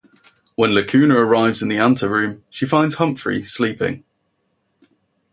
When Lacuna arrives in the anteroom, she finds Humfrey sleeping.